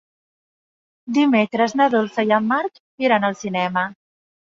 Dimecres na Dolça i en Marc iran al cinema.